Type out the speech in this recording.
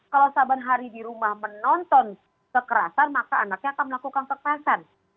kalau saban hari di rumah menonton kekerasan maka anaknya akan melakukan kekerasan